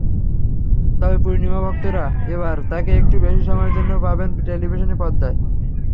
তবে পূর্ণিমাভক্তরা এবার তাঁকে একটু বেশি সময়ের জন্য পাবেন টেলিভিশনের পর্দায়।